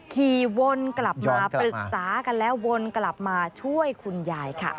ขี่วนกลับมาปรึกษากันแล้ววนกลับมาช่วยคุณยายค่ะ